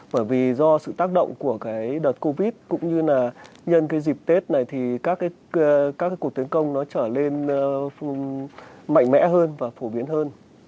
bởi vì do sự tác động của đợt covid cũng như là nhân dịp tết này thì các cuộc tấn công trở lên mạnh mẽ hơn